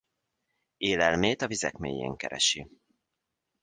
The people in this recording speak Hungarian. Élelmét a vizek mélyén keresi.